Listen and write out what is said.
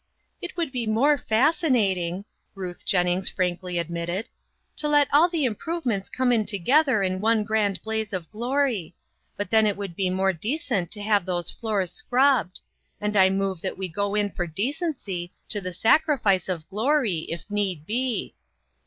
IQ2 INTERRUPTED. "It would be more fascinating," Ruth Jen nings frankly admitted, " to let all the im provements come in together in one grand blaze of glory ; but then it would be more decent to have those floors scrubbed, and I move that we go in for decency, to the sac rifice of glory, if need be."